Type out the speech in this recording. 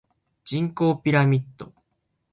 人口ピラミッド